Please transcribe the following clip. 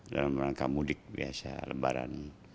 dalam rangka mudik biasa lebaran